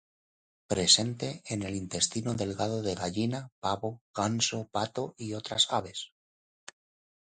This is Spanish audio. Presente en el intestino delgado de gallina, pavo, ganso, pato y otras aves.